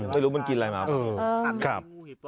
ไม่รู้มันกินอะไรมั้ยครับ